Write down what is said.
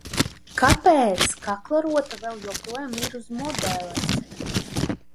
Kāpēc kaklarota vēl joprojām ir uz modeles?